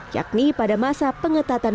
yakni pada masa pengetatan